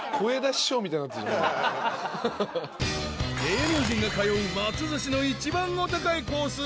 ［芸能人が通う松寿司の一番お高いコース